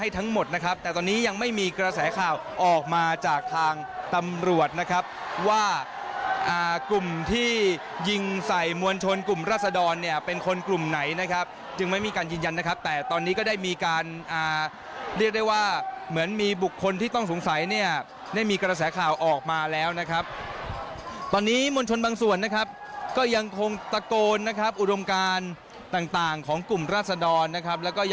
ทั้งหมดนะครับแต่ตอนนี้ยังไม่มีกระแสข่าวออกมาจากทางตำรวจนะครับว่ากลุ่มที่ยิงใส่มวลชนกลุ่มราศดรเนี่ยเป็นคนกลุ่มไหนนะครับจึงไม่มีการยืนยันนะครับแต่ตอนนี้ก็ได้มีการเรียกได้ว่าเหมือนมีบุคคลที่ต้องสงสัยเนี่ยได้มีกระแสข่าวออกมาแล้วนะครับตอนนี้มวลชนบางส่วนนะครับก็ยังคงตะโกนนะครับอุดมการต่างต่างของกลุ่มราศดรนะครับแล้วก็ย